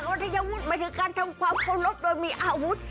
วันทยาวุฒิหมายถึงการทำความโครงรบโดยมีอาวุธ